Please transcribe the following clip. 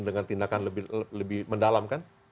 dengan tindakan lebih mendalam